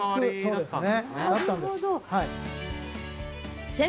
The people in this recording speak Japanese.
そうですね。